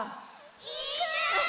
いく！